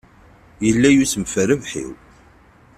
Yella yusem ɣef rrbeḥ-iw.